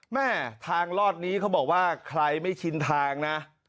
แม่ทางรอดนี้เขาบอกว่าใครไม่ชินทางนะ